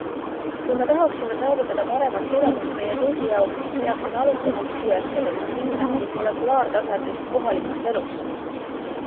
Kui me tahaksime saavutada paremat tulemust meie kõigi jaoks, peaksime alustama pisiasjadest nn molekulaartasandist, kohalikust elust.